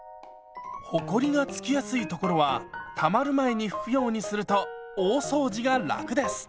ほこりがつきやすい所はたまる前に拭くようにすると大掃除が楽です。